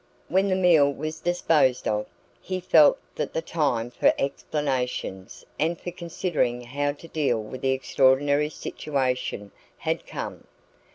When the meal was disposed of, he felt that the time for explanations and for considering how to deal with the extraordinary situation had come.